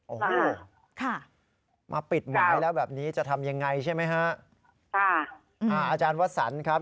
โอ้โหค่ะมาปิดหมายแล้วแบบนี้จะทำยังไงใช่ไหมฮะค่ะอ่าอาจารย์วสันครับ